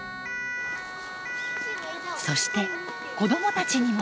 そして子どもたちにも。